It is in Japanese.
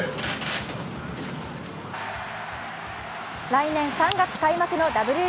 来年３月開幕のＷＢＣ。